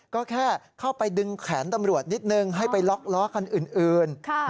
ก็แค่เข้าไปดึงแขนตำรวจนิดนึงให้ไปล็อกล้อคันอื่น